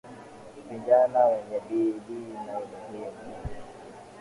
Vijana wenye bidii ni muhimu